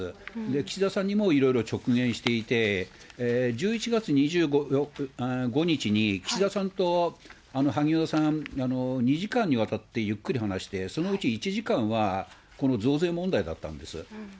岸田さんにもいろいろ直言していて、１１月２５日に岸田さんと萩生田さん、２時間にわたってゆっくり話して、そのうち１時間は、この増税問題だったんです。